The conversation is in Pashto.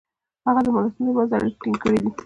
هغه د ملتونو ترمنځ اړیکې ټینګ کړي دي.